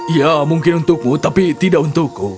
ya mungkin untukmu tapi tidak untukku